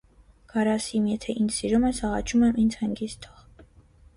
- Գարասիմ, եթե ինձ սիրում ես, աղաչում եմ, ինձ հանգիստ թող…